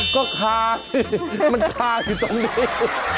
ก็คาสิมันคาอยู่ตรงนี้